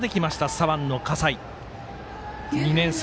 左腕の葛西、２年生。